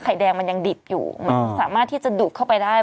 แดงมันยังดิบอยู่มันสามารถที่จะดูดเข้าไปได้